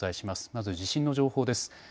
まず地震の情報です。